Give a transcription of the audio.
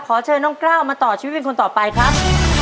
ขอเชิญน้องกล้าวมาต่อชีวิตเป็นคนต่อไปครับ